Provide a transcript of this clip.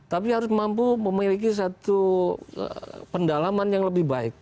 tapi harus mampu memiliki satu pendalaman yang lebih baik